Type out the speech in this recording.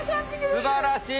すばらしい！